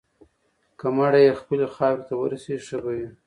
که مړی یې خپلې خاورې ته ورسیږي، ښه به وي.